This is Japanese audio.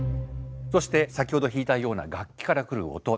そして先ほど弾いたような楽器から来る音。